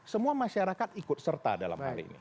semua masyarakat ikut serta dalam hal ini